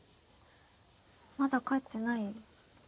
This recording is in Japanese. まだ帰ってないよ